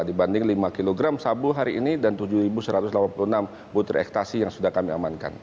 dibanding lima kg sabu hari ini dan tujuh satu ratus delapan puluh enam butir ekstasi yang sudah kami amankan